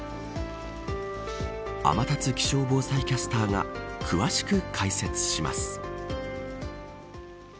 天達気象防災キャスターと詳しくお伝えします。